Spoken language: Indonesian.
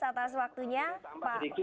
atas waktunya pak